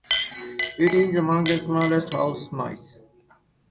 It is among the smallest house mice.